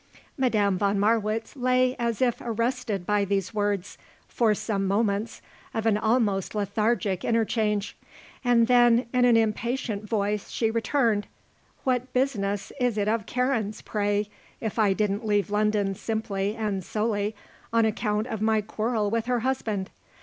Madame von Marwitz lay as if arrested by these words for some moments of an almost lethargic interchange, and then in an impatient voice she returned: "What business is it of Karen's, pray, if I didn't leave London simply and solely on account of my quarrel with her husband?